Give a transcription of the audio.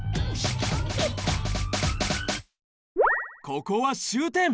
ここは終点。